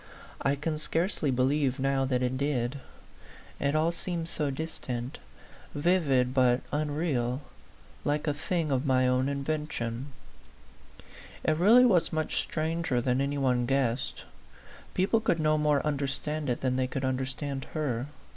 I can scarcely believe now that it did : it all seems so distant, vivid but unreal, like a thing of my own invention. It really was much stranger than any one guessed. People could no more understand it than they could understand her.